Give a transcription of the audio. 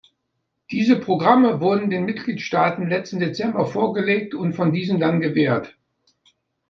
Diese Programme wurden den Mitgliedstaaten letzten Dezember vorgelegt und von diesen dann gewährt.